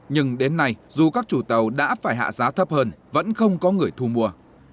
nhưng đến nay dù các chủ tàu đã phải hạ giá thấp hơn vẫn không có người thu mua